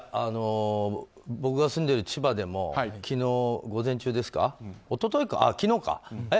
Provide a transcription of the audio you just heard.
僕が住んでる千葉でも昨日午前中ですか一昨日か。